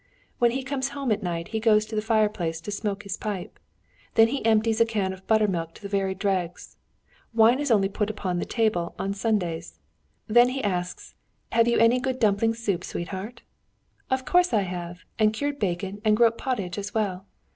"When he comes home at night he goes to the fireplace to smoke his pipe; then he empties a can of buttermilk to the very dregs. Wine is only put upon the table on Sundays. Then he asks, 'Have you any good dumpling soup, sweetheart?' 'Of course I have, and cured bacon and groat pottage as well.'